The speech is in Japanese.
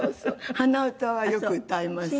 鼻歌はよく歌いますけど。